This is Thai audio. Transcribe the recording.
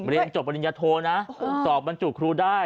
เรียนจบปริญญาโทนะสอบบรรจุครูได้